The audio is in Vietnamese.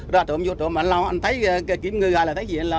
rồi tụi em vô tụi em lo anh thấy kiếm ngư gai là thấy gì anh lo